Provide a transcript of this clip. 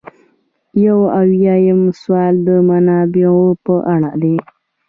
یو اویایم سوال د منابعو په اړه دی.